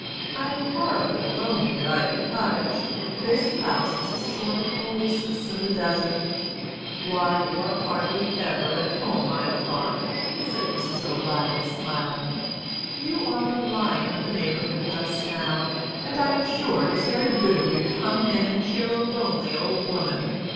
"I am horribly lonely at Ivy Cottage. This house is a sort of oasis in the desert." "Why, you are hardly ever at home, I thought," said Mrs. O'Reilly, smiling. "You are the lion of the neighbourhood just now; and I'm sure it is very good of you to come in and cheer a lonely old woman.